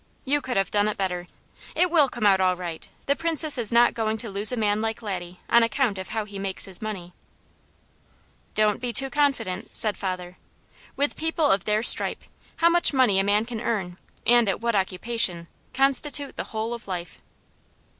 You could have done it better. It will come out all right. The Princess is not going to lose a man like Laddie on account of how he makes his money." "Don't be too confident," said father. "With people of their stripe, how much money a man can earn, and at what occupation, constitute the whole of life."